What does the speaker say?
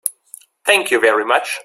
Thank you very much.